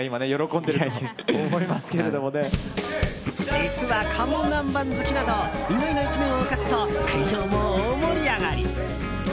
実は、かも南蛮好きなど意外な一面を明かすと会場も大盛り上がり。